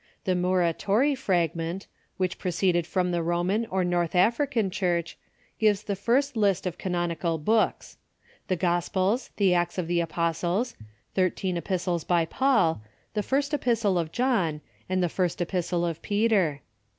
The Muratori fragment, which proceeded from the Roman or North African Church, gives the first list of canonical books: — the Gospels, the Acts of the Apostles, thirteen epistles by Paul, the First Epistle of John, and the First Epistle of Peter.